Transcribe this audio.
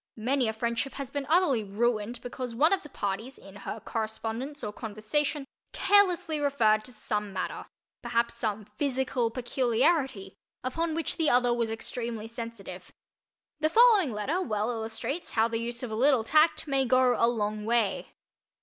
Many a friendship has been utterly ruined because one of the parties, in her correspondence or conversation, carelessly referred to some matter—perhaps some physical peculiarity—upon which the other was extremely sensitive. The following letter well illustrates how the use of a little tact may go "a long way."